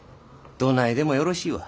どないでもよろしいわ。